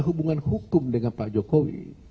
hubungan hukum dengan pak jokowi